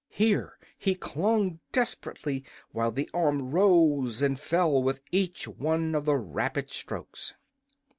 Here he clung desperately while the arm rose and fell with each one of the rapid strokes.